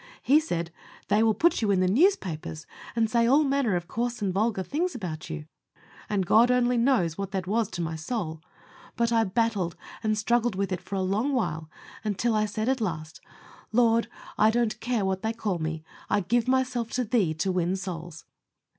He said, "They will put you in the newspapers, and say all manner of coarse and vulgar things about you;" and God only knows what that was to my soul; but I battled and struggled with it for a long while, until I said, at last, "Lord, I don't care what they call me I give myself to Thee to win souls."